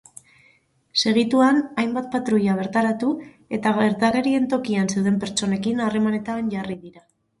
Segituan, hainbat patruila bertaratu eta gertakarien tokian zeuden pertsonekin harremanetan jarri dira.